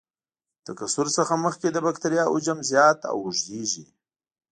د تکثر څخه مخکې د بکټریا حجم زیات او اوږدیږي.